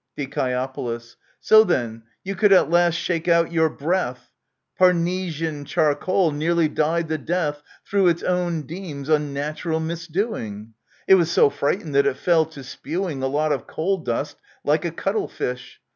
Die. So then, you could at last shake out your — breath ! Parnesian charcoal nearly died the death Through its own deme's unnatural misdoing ! It was so frightened that it fell to spewing A lot of coal dust, like a cuttle fish